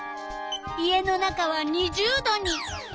家の中は２０℃に。